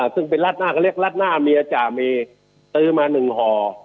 ซึ่งเป็นลาดหน้าเค้าเรียกลาดหน้าเมียจ่ามีซื้อมาหนึ่งห่อ